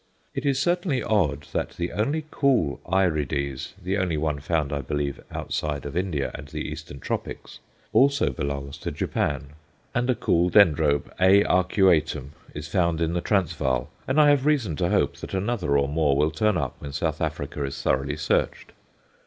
It is certainly odd that the only "cool" Aerides the only one found, I believe, outside of India and the Eastern Tropics also belongs to Japan, and a cool Dendrobe, A. arcuatum, is found in the Transvaal; and I have reason to hope that another or more will turn up when South Africa is thoroughly searched.